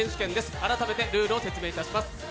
改めてルールを説明いたします。